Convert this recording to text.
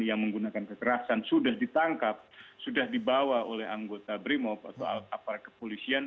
yang menggunakan kekerasan sudah ditangkap sudah dibawa oleh anggota brimo atau alat kapal kepolisian